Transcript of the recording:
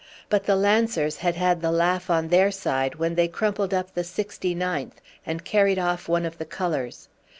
But the Lancers had had the laugh on their side when they crumpled up the 69th and carried off one of the colours.